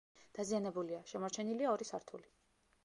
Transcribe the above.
დაზიანებულია, შემორჩენილია ორი სართული.